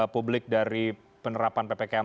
publik dari penerapan ppkm